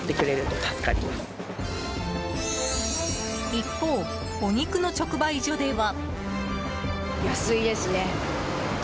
一方、お肉の直売所では。